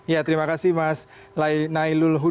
ya terima kasih mas nailul huda